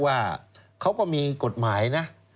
ว่าเขาก็มีกฎหมายนะ